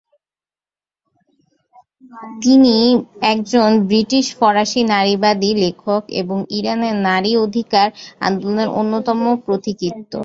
তিনি একজন বিশিষ্ট ফারসি নারীবাদী লেখক, এবং ইরানে নারী অধিকার আন্দোলনের অন্যতম পথিকৃৎ।